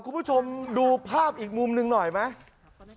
คุณผู้ชมดูภาพอีกมุมหนึ่งหน่อยไหม